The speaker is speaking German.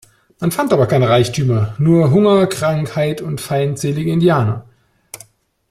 Man fand aber keine Reichtümer, nur Hunger, Krankheit und feindselige Indianer.